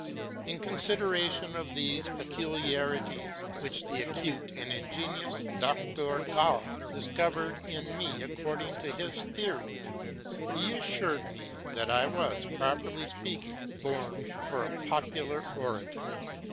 In consideration of these peculiarities, which the acute and ingenious Dr. Gall dis covered in me according to his theory, he assured me that IT was, properly speaking, born fora popular orator.